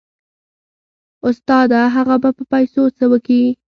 استاده هغه به په پيسو څه وکي.